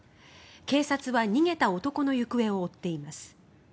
警察は逃げた男の行方を追っています。